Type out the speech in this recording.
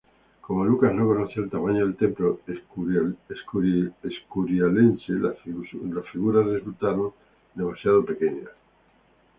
Como Luca no conocía el tamaño del templo escurialense, las figuras resultaron demasiado pequeñas.